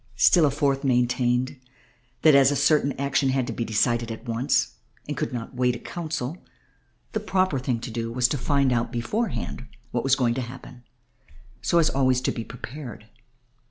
Still a fourth maintained that as certain action had to be decided at once and could not wait a council the proper thing to do was to find out beforehand what was going to happen so as to be always prepared.